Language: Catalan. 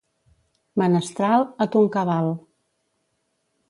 Menestral, a ton cabal.